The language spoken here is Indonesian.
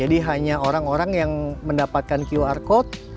jadi hanya orang orang yang mendapatkan qr code